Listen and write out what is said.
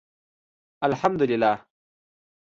الحمدالله